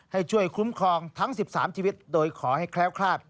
ให้ช่วยคุ้มครองทั้ง๑๓ชีวิตโดยขอให้แคล้วคลาด